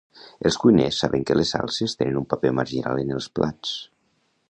Els cuiners saben que les salses tenen un paper marginal en els plats.